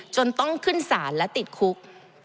จนต้องขึ้นศาลและติดคุก